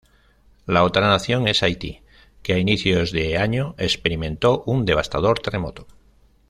La otra nación es Haití, que a inicios de año experimentó un devastador terremoto.